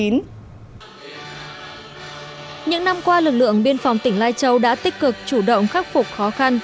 những năm qua lực lượng biên phòng tỉnh lai châu đã tích cực chủ động khắc phục khó khăn